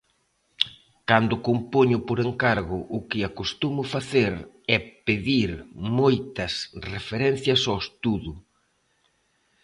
Cando compoño por encargo o que acostumo facer é pedir moitas referencias ao estudo.